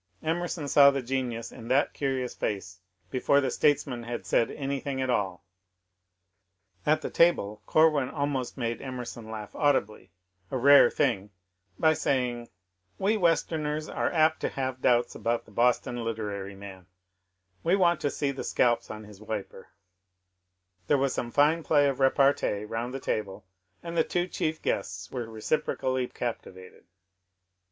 Emerson saw the genius in that curious face before the statesman had said anything at all. At the table Corwin almost made Emerson laugh audibly — a rare thing — by saying, "We Westerners are apt to have doubts about the Boston literary man ; we want to see the scalps on his wiper I " There was some fine play of repartee round the table, and the two chief g^oests were reciprocally captivated.